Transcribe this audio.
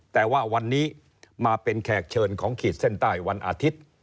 แต่ว่าวันนี้มาเป็นแขกเชิญของขีดเส้นใต้วันอาทิตย์